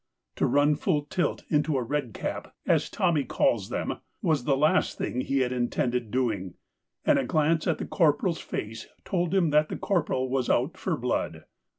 To run full tilt into a Red Cap — as Tommy calls them — was the last thing he had intended doing ; and a glance at the Corporal's face told him that the Corporal was out for blood.